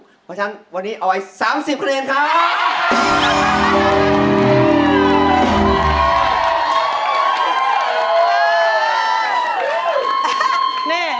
เพราะฉะนั้นวันนี้เอาไว้๓๐คะแนนครับ